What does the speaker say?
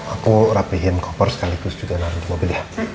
aku rapihin koper sekaligus juga naruh ke mobil ya